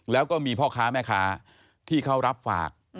แล้วก็มีพ่อค้าแม่ค้าที่เขารับฝาก